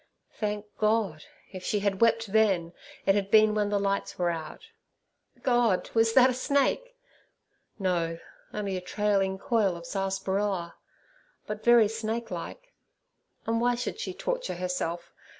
Thank God! if she had wept then, it had been when the lights were out. God! was that a snake! No; only a trailing coil of sarsaparilla, but very snake like. And why should she torture herself?